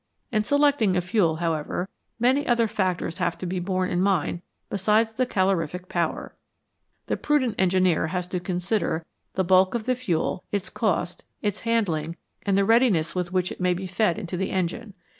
In selecting a fuel, however, many other factors have to be borne in mind besides the calorific power ; the prudent engineer has to consider the bulk of the fuel, its cost, its handling, and the readiness with which it may be fed into the engine.